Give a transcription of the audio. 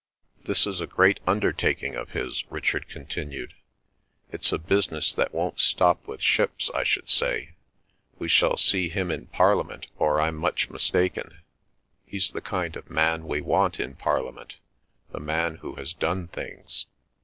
"This is a great undertaking of his," Richard continued. "It's a business that won't stop with ships, I should say. We shall see him in Parliament, or I'm much mistaken. He's the kind of man we want in Parliament—the man who has done things."